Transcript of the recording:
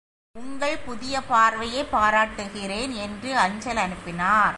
உங்கள் புதிய பார்வையைப் பாராட்டுகிறேன் என்று அஞ்சல் அனுப்பினார்.